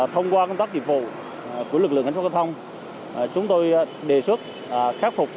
thông qua công tác dịch vụ của lực lượng hành sát giao thông chúng tôi đề xuất khép phục